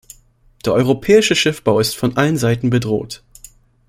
Der europäische Schiffbau ist von allen Seiten bedroht.